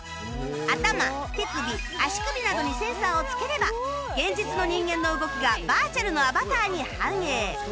頭手首足首などにセンサーをつければ現実の人間の動きがバーチャルのアバターに反映